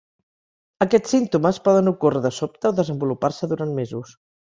Aquests símptomes poden ocórrer de sobte o desenvolupar-se durant mesos.